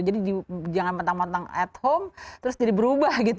jadi jangan mentang mentang at home terus jadi berubah gitu